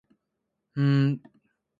人生は選択肢の連続